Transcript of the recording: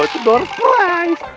oh itu baru surprise